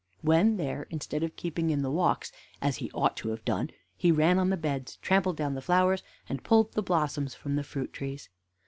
When there, instead of keeping in the walks, as he ought to have done, he ran on the beds, trampled down the flowers, and pulled the blossoms from the fruit trees.